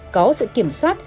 có sự kiểm soát